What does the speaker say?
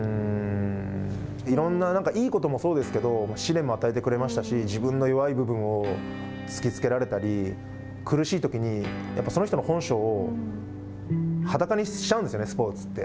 いろんな、いいこともそうですけど、試練も与えてくれましたし自分の弱い部分を突きつけられたり、苦しいときにやっぱりその人の本性をスポーツって。